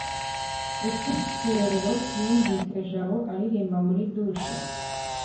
rusufero yumvise jabo aririmba muri douche